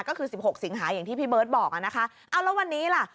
ก็คือ๑๖สิงหาอย่างที่พี่เมิ้ดบอกนะคะเอาแล้ววันนี้ล่ะ